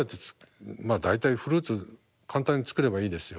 大体フルーツ簡単に作ればいいですよ。